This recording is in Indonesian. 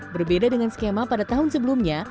berbeda dengan skema pada tahun sebelumnya